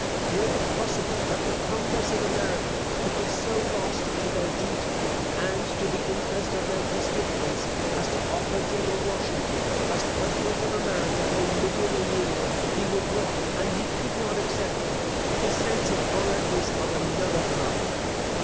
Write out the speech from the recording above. Were it possible that the Congress of America could be so lost to their duty, and to the interest of their constituents, as to offer General Washington, as president of America, a million a year, he would not, and he could not, accept it. His sense of honour is of another kind.